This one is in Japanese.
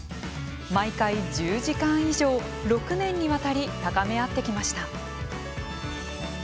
毎回１０時間以上、６年にわたり高め合ってきました。